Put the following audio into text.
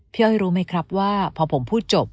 พี่เอาให้รู้ไหมครับว่าพอผมพูดจบ